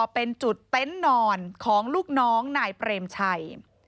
เป็นจุดเต็นต์นอนของลูกน้องนายเปรมชัย